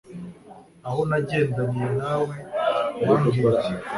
aho nagendaniye nawe wambwiye iki